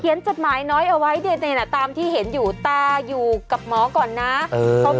เขียนจดหมายน้อยเอาไว้เน่น่ะตามที่เห็นอยู่ตาอยวกับหมอก่อนนะเออ